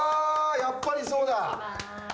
やっぱりそうだ。